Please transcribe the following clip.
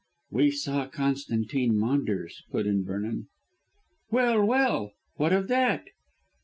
"We saw Constantine Maunders," put in Vernon. "Well, well! What of that?"